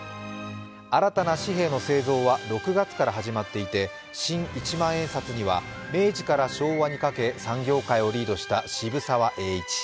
新たな紙幣の製造は６月から始まっていて、新一万円札には明治から昭和にかけて産業界をリードしていた渋沢栄一。